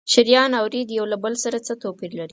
شریان او ورید یو له بل سره څه توپیر لري؟